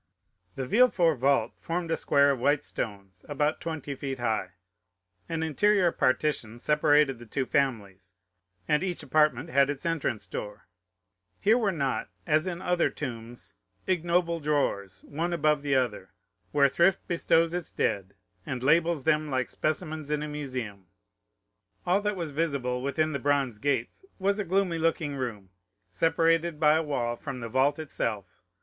The Villefort vault formed a square of white stones, about twenty feet high; an interior partition separated the two families, and each apartment had its entrance door. Here were not, as in other tombs, ignoble drawers, one above another, where thrift bestows its dead and labels them like specimens in a museum; all that was visible within the bronze gates was a gloomy looking room, separated by a wall from the vault itself.